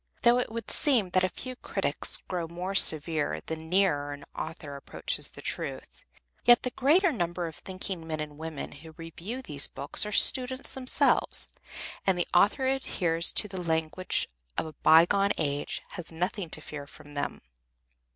Though it would seem that a few critics grow more severe the nearer an author approaches the truth, yet the greater number of thinking men and women who review these books are students themselves, and the author who adheres to the language of a by gone age has nothing to fear from them.